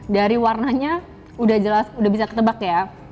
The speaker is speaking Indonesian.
dari warnanya udah bisa ketebak ya